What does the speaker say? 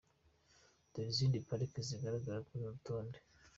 Dore izindi pariki zigaragara kuri uru rutonde.